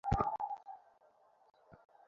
মধুসূদন কিছুই বুঝলে না।